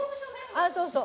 ああそうそう。